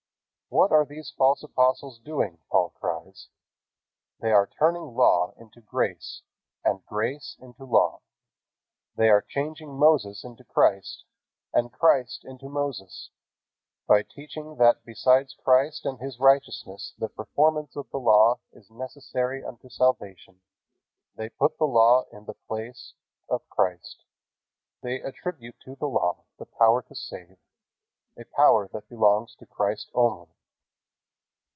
"What are these false apostles doing?" Paul cries. "They are turning Law into grace, and grace into Law. They are changing Moses into Christ, and Christ into Moses. By teaching that besides Christ and His righteousness the performance of the Law is necessary unto salvation, they put the Law in the place of Christ, they attribute to the Law the power to save, a power that belongs to Christ only."